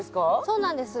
そうなんです。